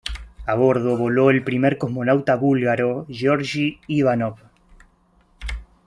A bordo voló el primer cosmonauta búlgaro, Georgi Ivanov.